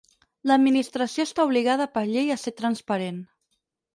L'Administració està obligada per llei a ser transparent.